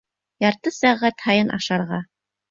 Ярты сәғәт һайын ашарға.